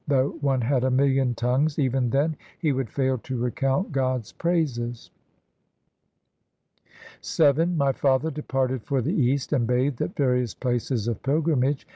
Though one had a million tongues, Even then he would fail to recount God's praises. VII My father departed for the East And bathed at various places of pilgrimage.